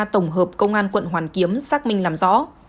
tổng hợp công an quận hoàn kiếm xác minh làm rõ